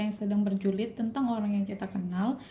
yang sedang berjulit tentang orang yang kita kenal